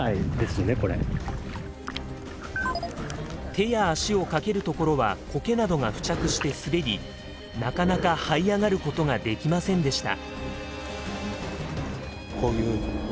手や足をかけるところはこけなどが付着して滑りなかなかはい上がることができませんでした。